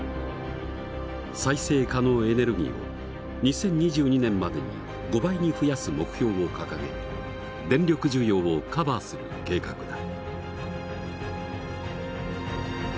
再生可能エネルギーを２０２２年までに５倍に増やす目標を掲げ電力需要をカバーする計画だ。